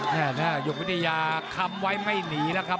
แน่น่ายกวิทยาคำไว้ไม่หนีนะครับ